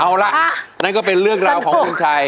เอาล่ะนั่นก็เป็นเรื่องราวของคุณชัย